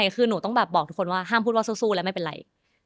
คือหนูต้องแบบบอกทุกคนว่าห้ามพูดว่าสู้แล้วไม่เป็นไร